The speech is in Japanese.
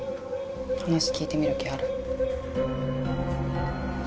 話聞いてみる気ある？